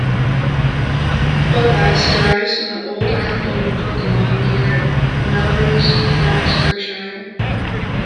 Buglass derives from the old lands of Booklawes near Melrose, Roxburghshire.